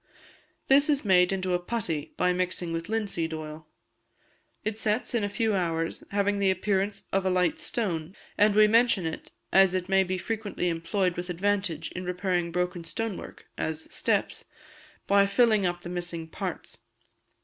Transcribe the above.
This is made into a putty, by mixing with linseed oil. It sets in a few hours, having the appearance of light stone; and we mention it, as it may be frequently employed with advantage in repairing broken stone work (as steps), by filling up the missing parts.